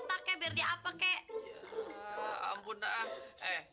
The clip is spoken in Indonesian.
ambun ah eh